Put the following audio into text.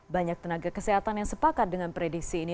banyak tenaga kesehatan yang sepakat dengan prediksi ini